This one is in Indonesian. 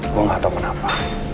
gue gak tau kenapa